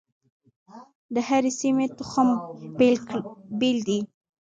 د هرې سیمې تخم بیل دی.